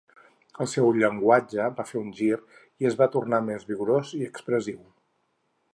El seu llenguatge va fer un gir i es va tornar més vigorós i expressiu.